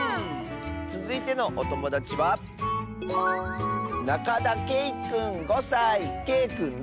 つづいてのおともだちはけいくんの。